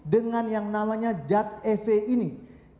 dengan yang namanya jad efektif